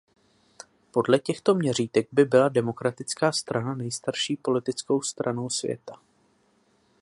Podle těchto měřítek by byla Demokratická strana nejstarší politickou stranou světa.